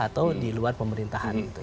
atau di luar pemerintahan